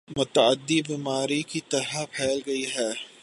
متعدی بیماری کی طرح پھیل گئی ہے